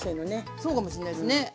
そうかもしんないですね。